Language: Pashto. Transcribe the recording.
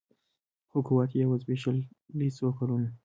خو قوت یې وو زبېښلی څو کلونو